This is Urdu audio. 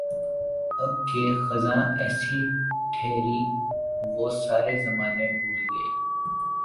اب کے خزاں ایسی ٹھہری وہ سارے زمانے بھول گئے